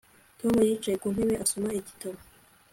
Tom yicaye ku ntebe asoma igitabo